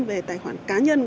về tài khoản cá nhân